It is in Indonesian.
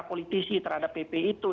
politisi terhadap pp itu